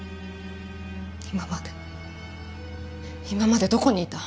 今まで今までどこにいた？